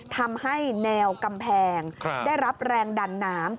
ทำให้แนวกำแพงได้รับแรงดันน้ำ